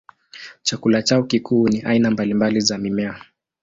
Chakula chao kikuu ni aina mbalimbali za mimea.